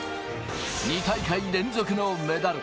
２大会連続のメダル。